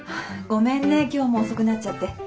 ごめんね今日も遅くなっちゃって。